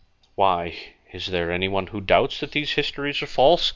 "Why, is there anyone who doubts that those histories are false?"